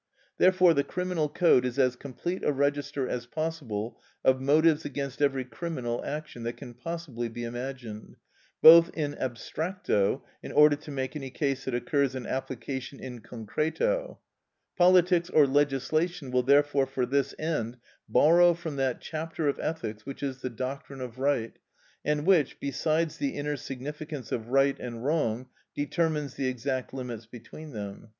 Therefore the criminal code is as complete a register as possible of motives against every criminal action that can possibly be imagined—both in abstracto, in order to make any case that occurs an application in concreto. Politics or legislation will therefore for this end borrow from that chapter of ethics which is the doctrine of right, and which, besides the inner significance of right and wrong, determines the exact limits between them.